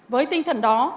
với tinh thần đó